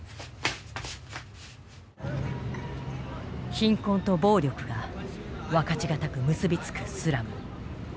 貧困と暴力が分かち難く結び付くスラム。